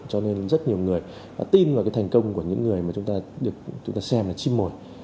cho nên rất nhiều người đã tin vào cái thành công của những người mà chúng ta xem là chim mồi